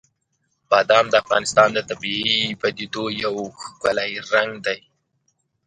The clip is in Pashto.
بادام د افغانستان د طبیعي پدیدو یو ښکلی رنګ دی.